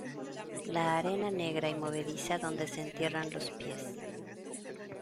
la arena negra y movediza donde se entierran los pies ;